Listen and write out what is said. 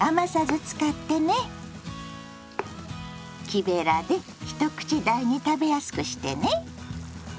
木べらで一口大に食べやすくしてね。